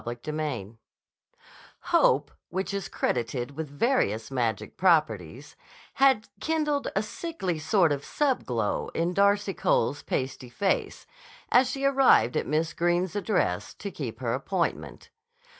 CHAPTER IV HOPE, which is credited with various magic properties, had kindled a sickly sort of sub glow in Darcy Cole's pasty face as she arrived at Miss Greene's address, to keep her appointment.